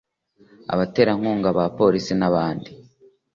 abaterankunga ba polisi n abandi